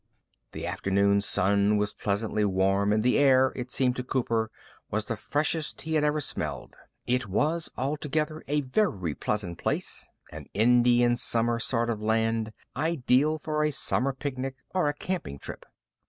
The afternoon sun was pleasantly warm and the air, it seemed to Cooper, was the freshest he had ever smelled. It was, altogether, a very pleasant place, an Indian summer sort of land, ideal for a Sunday picnic or a camping trip.